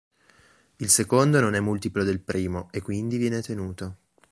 Il secondo non è multiplo del primo, e quindi viene tenuto.